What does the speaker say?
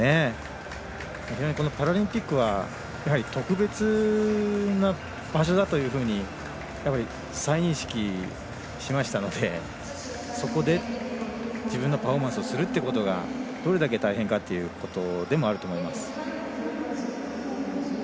非常にこのパラリンピックは特別な場所だというふうに再認識しましたのでそこで、自分のパフォーマンスをするということがどれだけ大変かということでもあると思います。